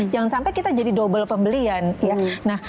jangan sampai kita jadi double pembelian